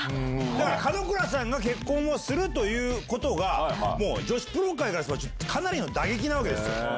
だから門倉さんが結婚をするということが、もう、女子プロ界からしたら、かなりの打撃なわけですよ。